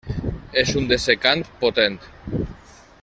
És un dessecant potent.